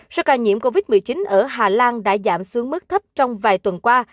số ca nhiễm covid một mươi chín ở hà lan đã giảm xuống mức thấp trong vài tuần qua